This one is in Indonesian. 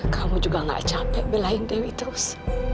kamu juga gak capek belahin dewi terus